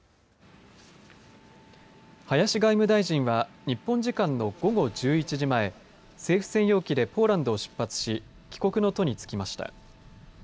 林外務大臣は日本時間の午後１１時前政府専用機でポーランドを出発し帰国の途につきました。